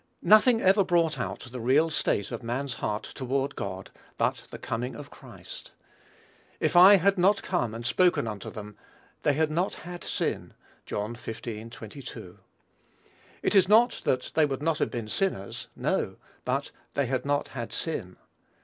Nothing ever brought out the real state of man's heart toward God but the coming of Christ. "If I had not come and spoken unto them, they had not had sin." (John xv. 22.) It is not that they would not have been sinners. No: but "they had not had sin."